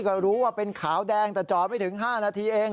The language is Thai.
ก็รู้ว่าเป็นขาวแดงแต่จอดไม่ถึง๕นาทีเอง